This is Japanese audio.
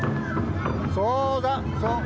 そうだそう。